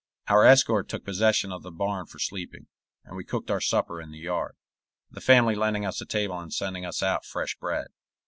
Our escort took possession of the barn for sleeping, and we cooked our supper in the yard, the family lending us a table and sending us out fresh bread.